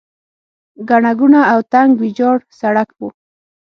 ګڼه ګوڼه او تنګ ویجاړ سړک و.